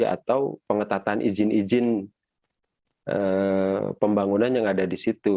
atau pengetatan izin izin pembangunan yang ada di situ